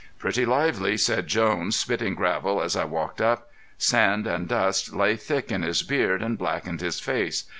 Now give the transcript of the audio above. "Pretty lively," said Jones, spitting gravel as I walked up. Sand and dust lay thick in his beard and blackened his face.